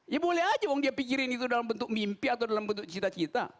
ya boleh aja bung dia pikirin itu dalam bentuk mimpi atau dalam bentuk cita cita